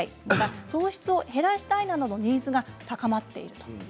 また糖質を減らしたいなどのニーズが高まっている。